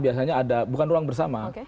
biasanya ada bukan ruang bersama